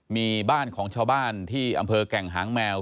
มีบ้านของชาวบ้านที่อำเภอแก่งหางแมว